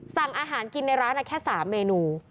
สั่งอาหารกินในร้านแค่๓เมนู